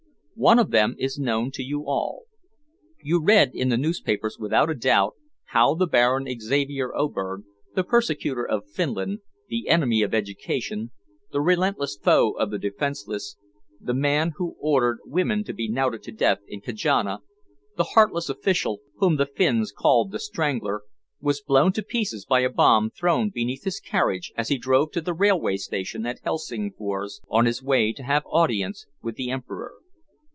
One of them is known to you all. You read in the newspapers, without a doubt, how the Baron Xavier Oberg, the persecutor of Finland, the enemy of education, the relentless foe of the defenseless, the man who ordered women to be knouted to death in Kajana, the heartless official whom the Finns called "The Strangler," was blown to pieces by a bomb thrown beneath his carriage as he drove to the railway station at Helsingfors on his way to have audience with the Emperor.